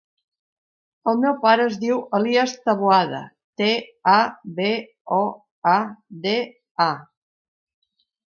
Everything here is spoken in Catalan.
El meu pare es diu Elías Taboada: te, a, be, o, a, de, a.